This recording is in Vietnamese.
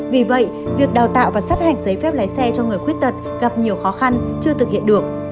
vì vậy việc đào tạo và sát hạch giấy phép lái xe cho người khuyết tật gặp nhiều khó khăn chưa thực hiện được